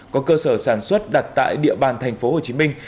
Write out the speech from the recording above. có cơ sở sản xuất đặt tại địa bàn thành phố hồ chí minh